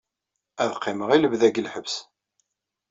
Ad qqimeɣ i lebda deg lḥebs.